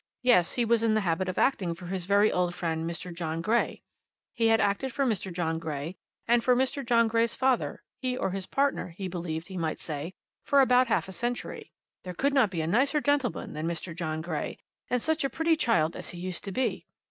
Yes; he was in the habit of acting for his very old friend Mr. John Grey. He had acted for Mr. John Grey, and for Mr. John Grey's father, he or his partner, he believed he might say, for about half a century. There could not be a nicer gentleman than Mr. John Grey; and such a pretty child as he used to be!"